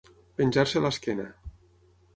Penjar-se a l'esquena.